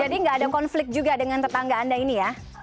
jadi tidak ada konflik juga dengan tetangga anda ini ya